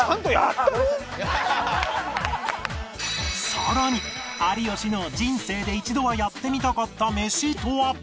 さらに有吉の人生で一度はやってみたかったメシとは？